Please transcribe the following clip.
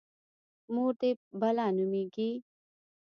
_مور دې بلا نومېږي؟